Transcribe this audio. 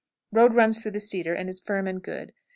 Road runs through the cedar, and is firm and good.